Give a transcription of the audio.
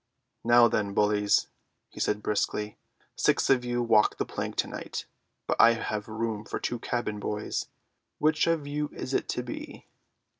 "Now then, bullies," he said briskly, "six of you walk the plank to night, but I have room for two cabin boys. Which of you is it to be?"